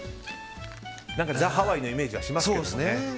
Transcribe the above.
ザ・ハワイのイメージはしますけどね。